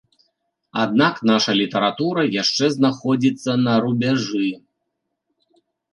Аднак наша літаратура яшчэ знаходзіцца на рубяжы.